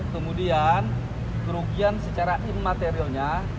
kemudian kerugian secara immaterialnya